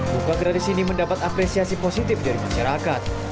buka gratis ini mendapat apresiasi positif dari masyarakat